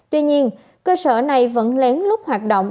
tuy nhiên cơ sở này vẫn lén lút hoạt động